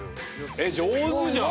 えっ上手じゃん！